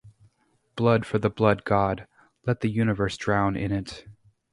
Blood for the Blood God...let the universe drown in it!